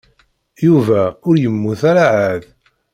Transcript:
Yuba ur yemmut ara εad.